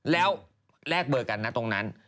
แล้วแลกเบอร์กันนะตรงนั้น